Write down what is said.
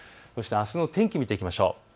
あすの天気を見ていきましょう。